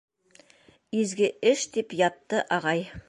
Изге эш, тип ятты ағай.